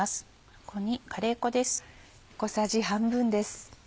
ここにカレー粉です。